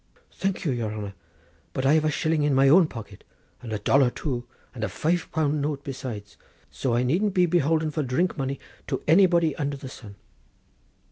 "Thank your honour; but I have a shilling in my own pocket, and a dollar too, and a five pound note besides; so I needn't be beholden for drink money to anybody under the sun."